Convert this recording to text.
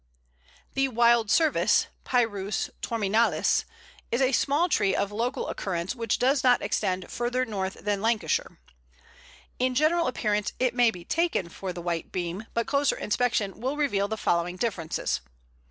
THE WILD SERVICE (Pyrus torminalis) is a small tree of local occurrence, which does not extend further north than Lancashire. In general appearance it may be taken for the White Beam, but closer inspection will reveal the following differences.